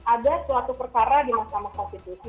ada suatu perkara di mahkamah konstitusi